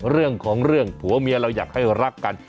เรื่องของเรื่องผัวเมียเราอยากให้รักกัน